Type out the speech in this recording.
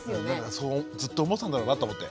そうずっと思ってたんだろうなと思って。